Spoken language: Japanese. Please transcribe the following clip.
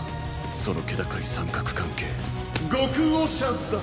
その気高い三角関係極オシャだ。